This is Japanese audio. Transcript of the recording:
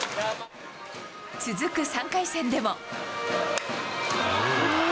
続く３回戦でも。